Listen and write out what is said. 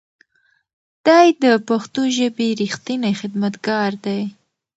دی د پښتو ژبې رښتینی خدمتګار دی.